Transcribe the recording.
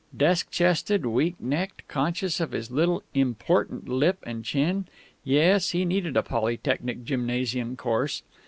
Desk chested, weak necked, conscious of his little "important" lip and chin yes, he needed a Polytechnic gymnastic course!